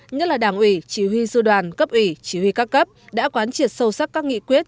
nhất là đảng ủy chỉ huy sư đoàn cấp ủy chỉ huy các cấp đã quán triệt sâu sắc các nghị quyết